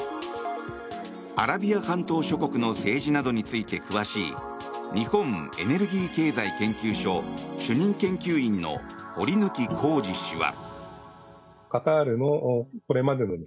アラビア半島諸国の政治などについて詳しい日本エネルギー経済研究所主任研究員の堀拔功二氏は。